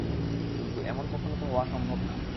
কিন্তু, এমন কখনও তো হওয়া সম্ভব না!